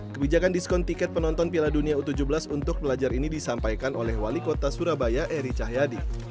kebijakan diskon tiket penonton piala dunia u tujuh belas untuk pelajar ini disampaikan oleh wali kota surabaya eri cahyadi